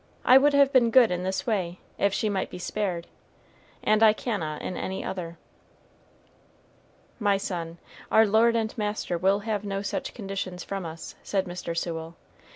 I would have been good in this way, if she might be spared, and I cannot in any other." "My son, our Lord and Master will have no such conditions from us," said Mr. Sewell.